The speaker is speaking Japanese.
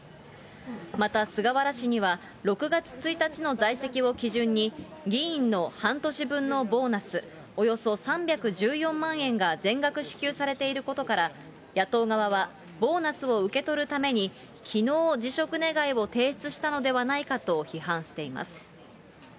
また菅原氏には、６月１日の在籍を基準に議員の半年分のボーナスおよそ３１４万円が全額支給されていることから、野党側は、ボーナスを受け取るために、きのう辞職願を提出したのではないかと批判しています。